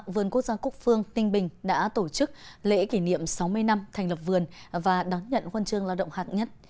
vườn quốc gia quốc phương tinh bình đã tổ chức lễ kỷ niệm sáu mươi năm thành lập vườn và đón nhận quân chương lao động hạng nhất